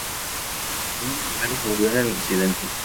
Un bombero murió en el incidente.